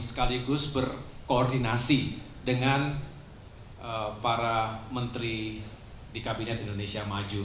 sekaligus berkoordinasi dengan para menteri di kabinet indonesia maju